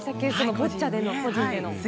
ボッチャでの個人の。